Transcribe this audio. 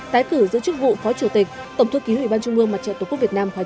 tái cử giữ chức vụ phó chủ tịch tổng thư ký ủy ban trung ương mặt trận tổ quốc việt nam khóa chín